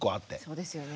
そうですよね。